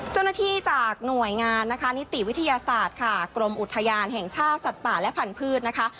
เจ้าหน้าที่จากหน่วยงานนะคะนิติวิทยาศาสตร์ค่ะกรมอุทยานแห่งชาติสัตว์ป่าและพันธุ์นะคะ